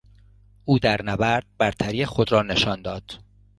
او در نبرد برتری خود را نشان داد.